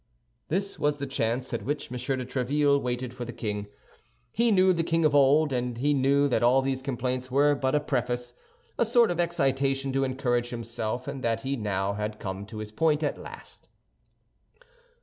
This was the chance at which M. de Tréville waited for the king. He knew the king of old, and he knew that all these complaints were but a preface—a sort of excitation to encourage himself—and that he had now come to his point at last.